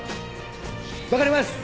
分かります！